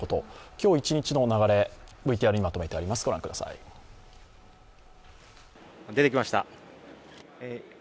今日１日の流れ、ＶＴＲにまとめてあります。